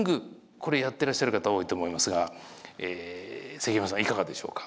これやってらっしゃる方多いと思いますが積山さんいかがでしょうか？